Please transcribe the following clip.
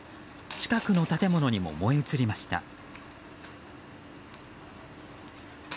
近くの建物にも燃え移りました。